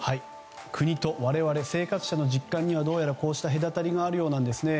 国と我々生活者の実感にはどうやらこうした隔たりがあるようなんですね。